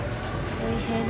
水平の